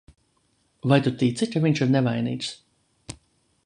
Vai tu tici, ka viņš ir nevainīgs?